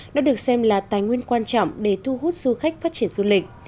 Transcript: nó được xem là tài nguyên quan trọng để thu hút du khách phát triển du lịch